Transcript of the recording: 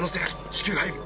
至急配備。